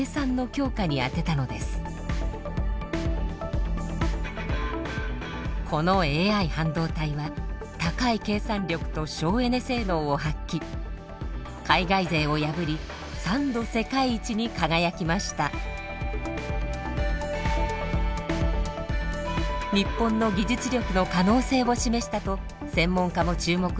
日本の技術力の可能性を示したと専門家も注目しています。